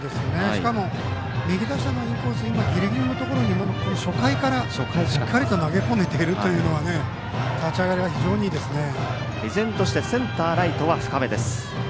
しかも右打者のインコースギリギリのところに初回からしっかりと投げ込めているというのは立ち上がりが非常にいいですね。